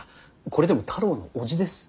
これでも太郎の叔父です。